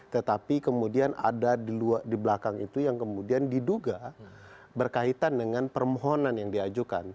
tetapi kemudian ada di belakang itu yang kemudian diduga berkaitan dengan permohonan yang diajukan